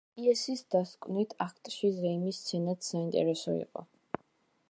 პიესის დასკვნით აქტში ზეიმის სცენაც საინტერესო იყო.